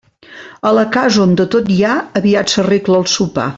A la casa on de tot hi ha, aviat s'arregla el sopar.